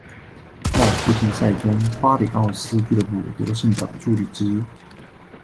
在附加赛中巴里奥斯俱乐部得胜的助力之一。